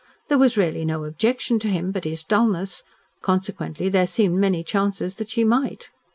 There was really no objection to him but his dulness, consequently there seemed many chances that she might.